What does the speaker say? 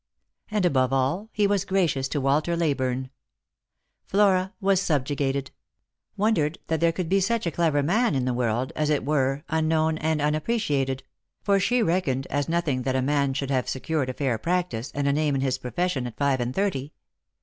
And above all, he was gracious to Walter Leyburne. Flora was subjugated; wondered that there could be such a clever man in the world, as it were unknown and unappreciated ; for she reckoned it as nothing that a man should have secured a fair practice, and a name in his profession, at five and thirty.